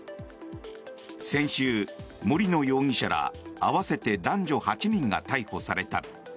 先週、森野容疑者ら合わせて男女８人が逮捕された。